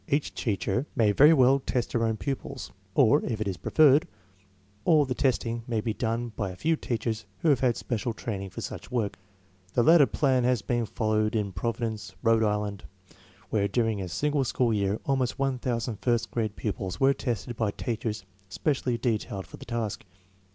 Each teacher may very well test her own pupils, or, if it is preferred, all the testing may be done by a few teachers who have had special training for such work. The latter plan has been followed in Providence, Rhode Island, where during a single school year almost 1000 first grade pupils were tested by teachers specially detailed for the task.